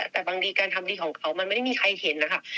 แต่บางทีการทำดีของเขามันไม่ได้มีใครเห็นนะคะ